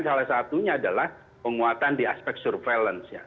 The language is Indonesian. salah satunya adalah penguatan di aspek surveillance ya